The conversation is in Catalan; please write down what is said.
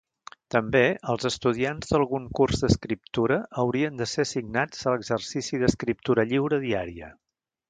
També, els estudiants d'algun curs d'escriptura haurien de ser assignats a l'exercici d'escriptura lliure diària.